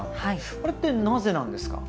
あれってなぜなんですか？